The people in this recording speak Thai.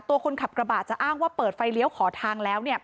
ตัวคนขับกระบะจะอ้างว่าเปิดไฟเลี้ยวขอทางแล้วเนี่ย